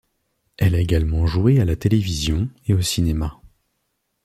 Elle a également joué à la télévision et au cinéma.